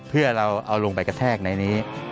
เพื่อเราเอาลงไปกระแทกในนี้